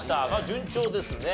順調ですね。